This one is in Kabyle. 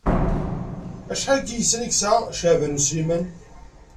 Acḥal n yiysan i yesɛa Caɛban U Sliman?